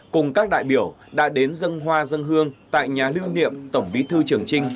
cùng các đại biểu đã đến dân hoa dân hương tại nhà lưu niệm tổng bí thư trường trinh